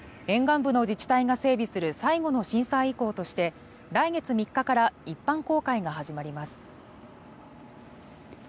沿岸部の自治体が整備する最後の震災遺構として来月３日から一般公開が始まります。